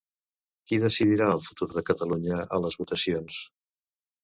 Qui decidirà el futur de Catalunya a les votacions?